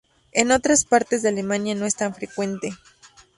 En otras partes de Alemania no es tan frecuente.